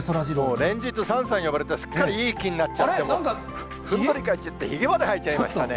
連日、さんさん呼ばれて、すっかりいい気になっちゃって、ふんぞり返って、ひげまで生えちゃいましたね。